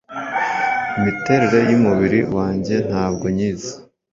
imiterere y'umubiri wanjye ntabwo nyizi